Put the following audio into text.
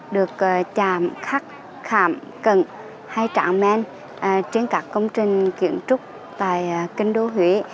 được chạm khắc khạm cận hay trạng men trên các công trình kiến trúc tại kinh đô huế